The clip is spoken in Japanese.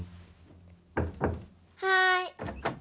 はい。